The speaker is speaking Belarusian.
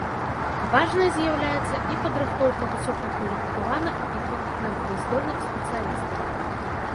Важнай з'яўляецца і падрыхтоўка высокакваліфікаваных і канкурэнтаздольных спецыялістаў.